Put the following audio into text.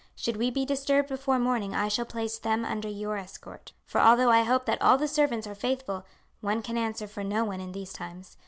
Should we be disturbed before morning I shall place them under your escort; for although I hope that all the servants are faithful, one can answer for no one in these times.